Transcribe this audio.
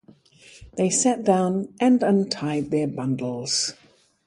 They sat down and untied their bundles.